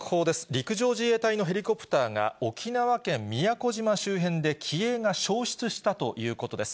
陸上自衛隊のヘリコプターが沖縄県宮古島周辺で機影が消失したということです。